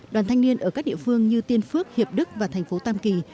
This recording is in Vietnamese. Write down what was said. đoàn thanh niên ở các địa phương như tiên phước hiệp đức và thành phố tam kỳ